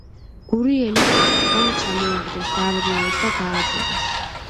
გურიელი ტახტიდან ჩამოაგდეს, დააბრმავეს და გააძევეს.